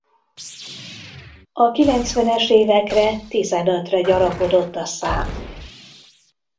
A kilencvenes évekre tizenötre gyarapodott a szám.